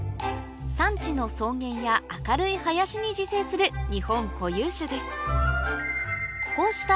山地の草原や明るい林に自生する日本固有種です